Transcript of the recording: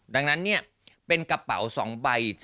ดังนั้นเป็นกระเป๋า๒ใบ